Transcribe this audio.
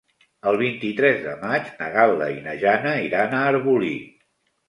El vint-i-tres de maig na Gal·la i na Jana iran a Arbolí.